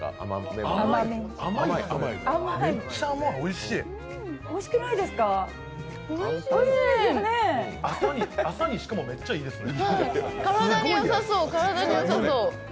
しかも朝にめっちゃいいですね。